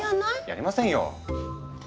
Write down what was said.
やりませんよ。